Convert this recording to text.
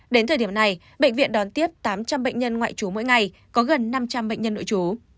đến thời điểm này bệnh viện đón tiếp tám trăm linh bệnh nhân ngoại trú mỗi ngày có gần năm trăm linh bệnh nhân nội trú